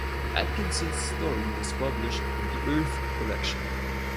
Atkinson's story was published in the "Earth" collection.